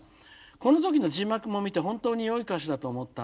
この時の字幕も見て本当によい歌詞だと思ったんですよ」。